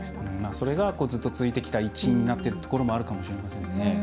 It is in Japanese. それがずっと続いてきた一因になってるところもあるかもしれませんね。